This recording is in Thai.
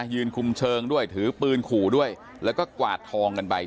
ยืนคุมเชิงด้วยถือปืนขู่ด้วยแล้วก็กวาดทองกันไป